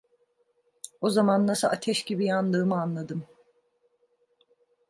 O zaman nasıl ateş gibi yandığımı anladım.